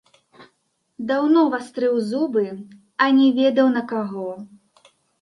Даўно вастрыў зубы, а не ведаў на каго.